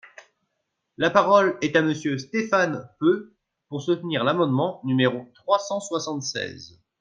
La parole est à Monsieur Stéphane Peu, pour soutenir l’amendement numéro trois cent soixante-seize.